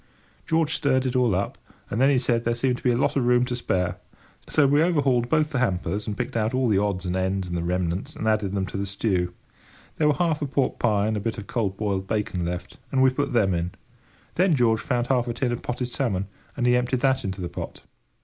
George stirred it all up, and then he said that there seemed to be a lot of room to spare, so we overhauled both the hampers, and picked out all the odds and ends and the remnants, and added them to the stew. There were half a pork pie and a bit of cold boiled bacon left, and we put them in. Then George found half a tin of potted salmon, and he emptied that into the pot.